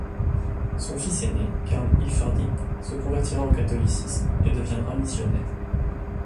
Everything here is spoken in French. Son fils aîné Karl Hilferding se convertira au catholicisme et deviendra missionnaire.